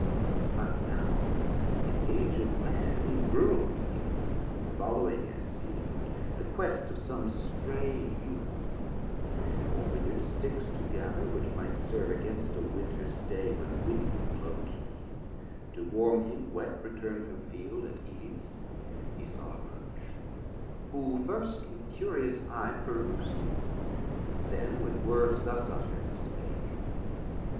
But now an aged man in Rural weeds, Following, as seem'd, the quest of some stray Ewe, Or wither'd sticks to gather; which might serve Against a Winters day when winds blow keen, To warm him wet return'd from field at Eve, He saw approach, who first with curious eye Perus'd him, then with words thus utt'red spake.